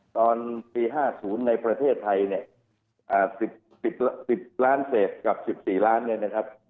ตอนปี๕๐ในประเทศไทย๑๐ล้านเศษกับ๑๔ล้าน